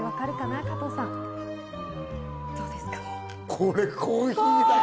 これコーヒーだ。